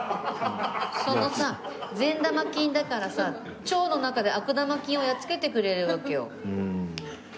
そのさ善玉菌だからさ腸の中で悪玉菌をやっつけてくれるわけよ。